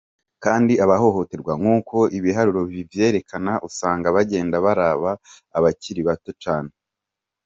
Kandi abahohoterwa, nk'uko ibiharuro bivyerekana, usanga bagenda baraba abakiri bato cane.